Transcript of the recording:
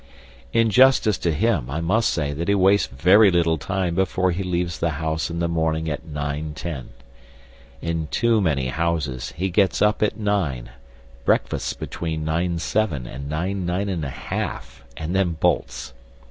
In justice to him I must say that he wastes very little time before he leaves the house in the morning at 9.10. In too many houses he gets up at nine, breakfasts between 9.7 and 9.9 1/2, and then bolts.